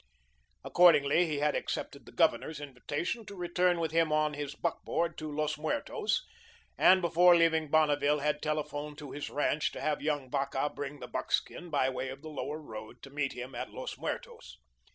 Accordingly, he had accepted the Governor's invitation to return with him on his buck board to Los Muertos, and before leaving Bonneville had telephoned to his ranch to have young Vacca bring the buckskin, by way of the Lower Road, to meet him at Los Muertos.